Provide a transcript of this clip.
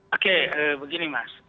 oke begini mas